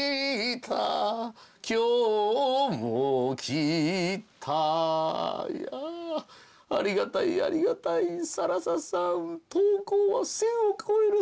いやありがたいありがたい更紗さん投稿は１，０００を超える更紗さん。